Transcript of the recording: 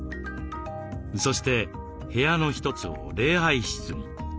そして部屋の一つを礼拝室に。